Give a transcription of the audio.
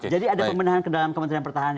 jadi ada pembendahan ke dalam kementerian pertahanan